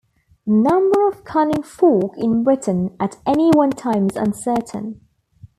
The number of cunning folk in Britain at any one time is uncertain.